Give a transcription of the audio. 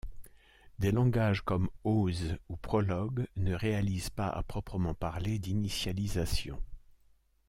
Des langages comme Oz ou Prolog ne réalisent pas à proprement parler d'initialisation.